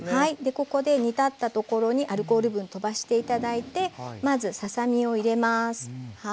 ここで煮立ったところにアルコール分とばして頂いてまずささ身を入れます。